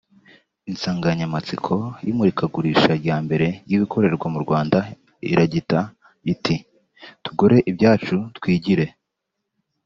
Insanganyamatsiko y’imurikagurisha rya mbere ry’ibikorerwa mu Rwanda iragita iti”Tugure iby’iwacu Twigire